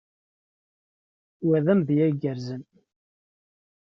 Wa d amedya igerrzen.